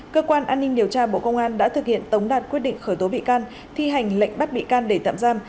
cơ quan an ninh điều tra bộ công an đã thực hiện tống đạt quyết định khởi tố bị can thi hành lệnh bắt bị can để tạm giam